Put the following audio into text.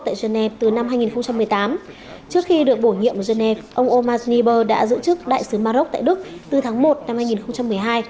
trước khi được bổ nhiệm ở genève ông omar sniper đã giữ chức đại sứ maroc tại đức từ tháng một năm hai nghìn một mươi hai